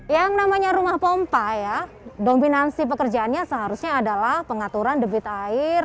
yang namanya rumah pompa ya dominansi pekerjaannya seharusnya adalah pengaturan debit air